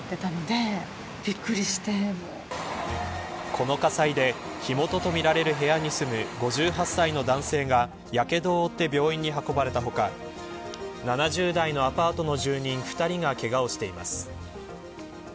この火災で火元とみられる部屋に住む５８歳の男性がやけどを負って病院に運ばれた他７０代のアパートの住人２人がけがをしています。